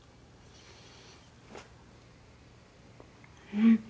うん。